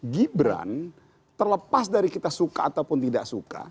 gibran terlepas dari kita suka ataupun tidak suka